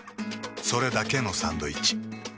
それだけのサンドイッチ。